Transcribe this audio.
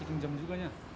hitung jam juga ya